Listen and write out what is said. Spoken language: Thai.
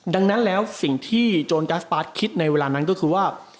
ดังนั้นแล้วสิ่งที่โจรกัสปาร์ทคิดในเวลานั้นก็คือว่า